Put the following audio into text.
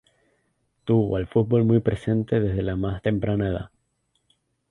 Tuvo al fútbol muy presente desde la más temprana edad.